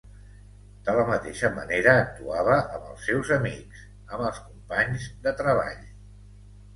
De la mateixa manera actuava amb els seus amics, amb els companys de treball.